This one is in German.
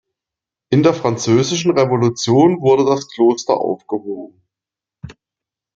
In der Französischen Revolution wurde das Kloster aufgehoben.